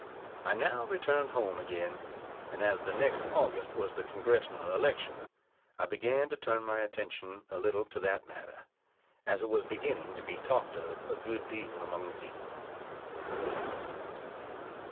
I now returned home again, and as the next August was the Congressional election, I began to turn my attention a little to that matter, as it was beginning to be talked of a good deal among the people.